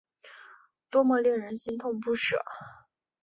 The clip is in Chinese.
多么令人心痛不舍